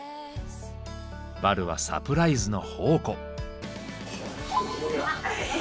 バルはサプライズの宝庫。